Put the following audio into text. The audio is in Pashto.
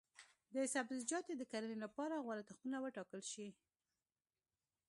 د سبزیجاتو د کرنې لپاره غوره تخمونه وټاکل شي.